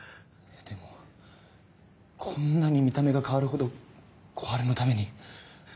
でもこんなに見た目が変わるほど小春のために。